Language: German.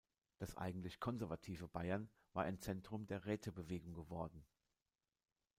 Das eigentlich konservative Bayern war ein Zentrum der Rätebewegung geworden.